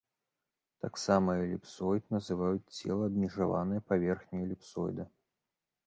Таксама эліпсоід называюць цела, абмежаванае паверхняй эліпсоіда.